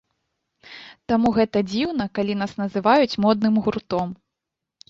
Таму гэта дзіўна, калі нас называюць модным гуртом.